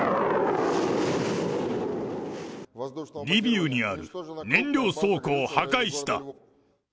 リビウにある燃料倉庫を破壊した。